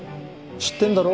知ってんだろ？